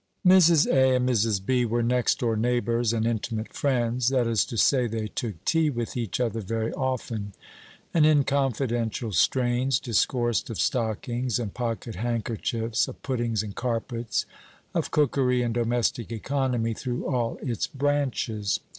Mrs. A. and Mrs. B. were next door neighbors and intimate friends that is to say, they took tea with each other very often, and, in confidential strains, discoursed of stockings and pocket handkerchiefs, of puddings and carpets, of cookery and domestic economy, through all its branches.